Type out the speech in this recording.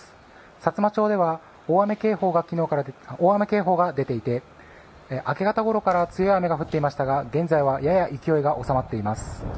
さつま町では大雨警報が出ていて明け方ごろから強い雨が降っていましたが現在はやや勢いが収まっています。